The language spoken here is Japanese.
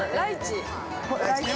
◆ライチ。